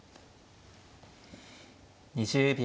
２０秒。